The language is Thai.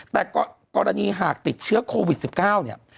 แต่กรณีหากติดเชื้อโควิด๑๙เนี่ย